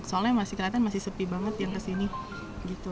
soalnya masih kelihatan masih sepi banget yang kesini gitu